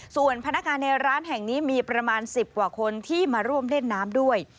ส่วนพนักงานในร้านแห่งนี้มีประมาณ๑๐กว่าคนที่มาร่วมเล่นน้ำด้วย